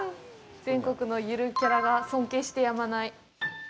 全国のゆるキャラが尊敬してやまない。